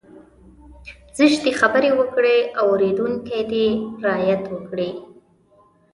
زشتې خبرې وکړي اورېدونکی دې رعايت وکړي.